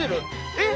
えっ？